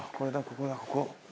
ここだここ！